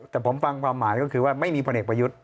แต่ผมฟังความหมายก็คือว่าไม่มีพลเอกประยุทธ์